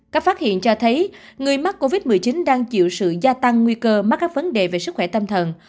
các phát hiện cho thấy người mắc covid một mươi chín đang chịu sự gia tăng nguy cơ mắc các vấn đề về sức khỏe tâm thần